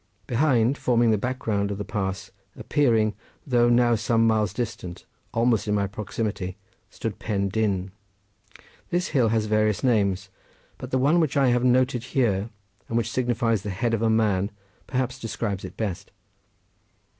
Behind, forming the background of the pass, appearing, though now some miles distant, almost in my close proximity, stood Pen Dyn. This hill has various names, but the one which I have noted here, and which signifies the head of a man, perhaps describes it best.